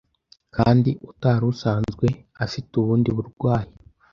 kandi utari usanzwe afite ubundi burwayi